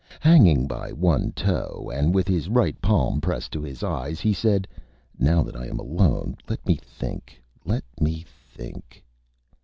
Hanging by one Toe, and with his right Palm pressed to his Eyes, he said: "Now that I am Alone, let me Think, let me Think."